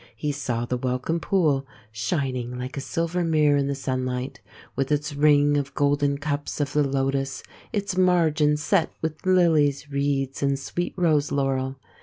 He saw the welcome pool shining like a silver mirror in the sunlight, with its ring of golden cups of the lotus, its margin set with lilies, reeds, and sweet rose laurel.